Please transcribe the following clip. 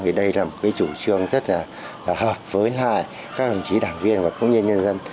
thì đây là một cái chủ trương rất là hợp với hai các đồng chí đảng viên và công nhân nhân dân